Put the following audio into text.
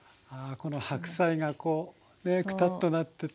この白菜がこうねくたっとなってて。